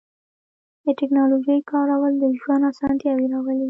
د تکنالوژۍ کارول د ژوند آسانتیاوې راولي.